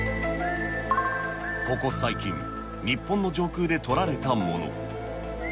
ここ最近、日本の上空で撮られたもの。